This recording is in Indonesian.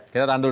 kita tahan dulu